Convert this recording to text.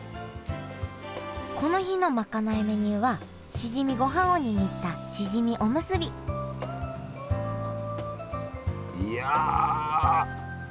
この日のまかないメニューはしじみごはんを握ったしじみおむすびいや！